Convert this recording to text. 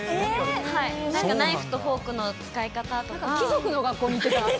ナイフとフォークの使い方と貴族の学校に行ってた？